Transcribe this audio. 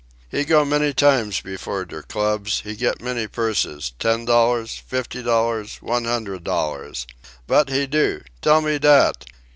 "He go many times before der clubs; he get many purses ten dollar, fifty dollar, one hundred dollar. Vat he do? Tell me dat!